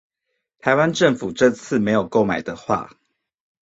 台灣政府這次沒有購買的話